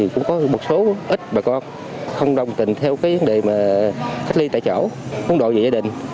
cũng có một số ít bà con không đồng tình theo vấn đề cách ly tại chỗ không đội về gia đình